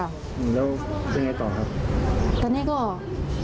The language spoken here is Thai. แล้วยังไงต่อครับ